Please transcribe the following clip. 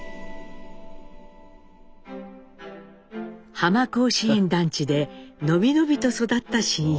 浜甲子園団地で伸び伸びと育った真一。